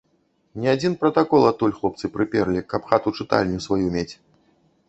Не адзін пратакол адтуль хлопцы прыперлі, каб хату-чытальню сваю мець.